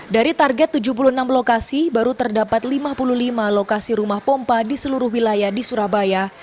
dari target tujuh puluh enam lokasi baru terdapat lima puluh lima lokasi rumah pompa di seluruh wilayah di surabaya